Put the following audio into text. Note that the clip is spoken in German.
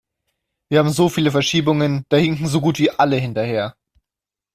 Wir haben so viele Verschiebungen, da hinken so gut wie alle hinterher.